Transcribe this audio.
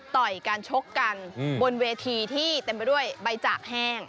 ต่อยกันชกกันบนเวทีที่เต็มไปด้วยใบจากแห้ง